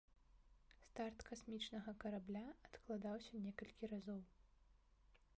Старт касмічнага карабля адкладаўся некалькі разоў.